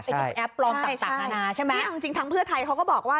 เป็นแอปปลอมต่างนานาใช่ไหมนี่เอาจริงทางเพื่อไทยเขาก็บอกว่า